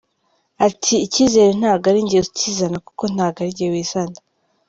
Ati “Icyizere ntago ari njye ukizana kuko ntago ari njye wizana.